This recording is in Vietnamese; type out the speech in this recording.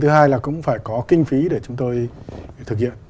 chúng ta cũng phải có kinh phí để chúng tôi thực hiện